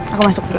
aku masuk dulu